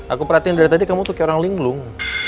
aku perhatiin dari tadi kamu tuh kayak orang linglung